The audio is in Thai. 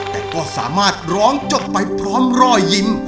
แต่ก็สามารถร้องจบไปพร้อมรอยยิ้ม